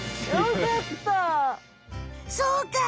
そうか！